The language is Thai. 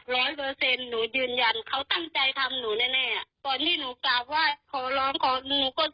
จำอะไรไปได้เพราะว่ามันจะนก